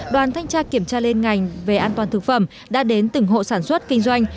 đoàn thanh tra kiểm tra liên ngành về an toàn thực phẩm đã đến từng hộ sản xuất kinh doanh